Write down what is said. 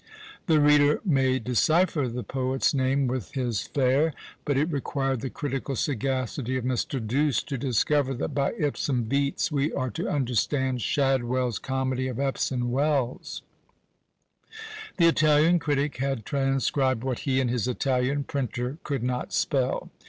The reader may decipher the poet's name with his Fair; but it required the critical sagacity of Mr. Douce to discover that by Ipsum Veetz we are to understand Shadwell's comedy of Epsom Wells. The Italian critic had transcribed what he and his Italian printer could not spell.